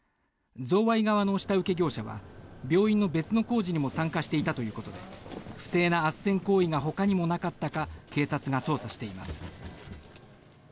贈賄側の下請け業者は病院の別の工事にも参加していたということで不正なあっせん行為がほかにもなかったか警察が捜査しています。